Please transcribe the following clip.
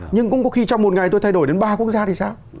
nhưng cũng có khi trong một ngày tôi thay đổi đến ba quốc gia thì sao